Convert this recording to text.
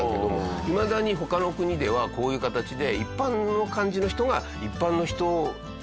いまだに他の国ではこういう形で一般の感じの人が一般の人を。